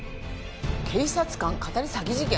警察官かたる詐欺事件？